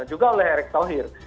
juga oleh erik thohir